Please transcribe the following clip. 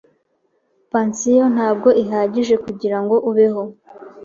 Pansiyo ntabwo ihagije kugirango ubeho.